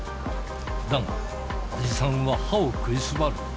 だが、おじさんは歯を食いしばる。